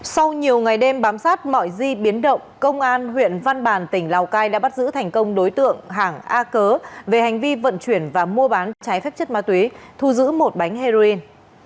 sau nhiều ngày đêm bám sát mọi di biến động công an huyện văn bàn tỉnh lào cai đã bắt giữ thành công đối tượng hàng a cớ về hành vi vận chuyển và mua bán trái phép chất ma túy thu giữ một bánh heroin